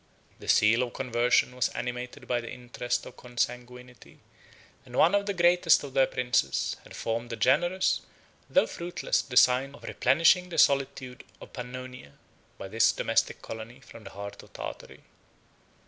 The zeal of conversion was animated by the interest of consanguinity; and one of the greatest of their princes had formed the generous, though fruitless, design of replenishing the solitude of Pannonia by this domestic colony from the heart of Tartary.